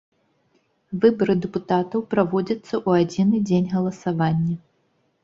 Выбары дэпутатаў праводзяцца ў адзіны дзень галасавання.